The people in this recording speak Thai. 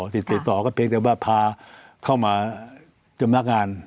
ติดต่อก็เพียงแต่ว่าพาเข้ามาสำนักงาน